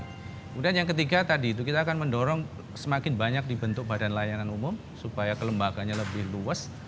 kemudian yang ketiga tadi itu kita akan mendorong semakin banyak dibentuk badan layanan umum supaya kelembaganya lebih luas